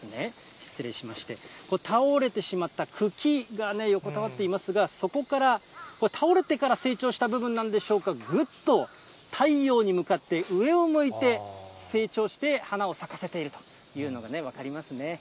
失礼しまして、倒れてしまった茎がね、横たわっていますが、そこから倒れてから生長した部分なんでしょうか、ぐっと太陽に向かって、上を向いて生長して花を咲かせているというのが分かりますね。